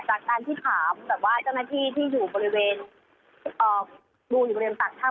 ก็จะอาศัยการถังเจ้าหน้าที่ว่าบริเวณตรงนั้นตอนนี้เป็นอย่างไรบ้าง